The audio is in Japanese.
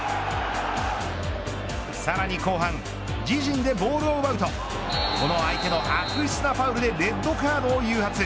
さらに後半自陣でボールを奪うとこの相手の悪質なファウルでレッドカードを誘発。